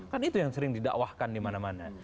kan itu yang sering didakwahkan dimana mana